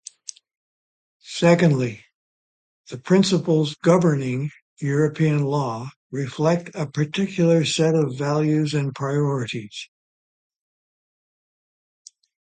Secondly, the principles governing European law reflect a particular set of values and priorities.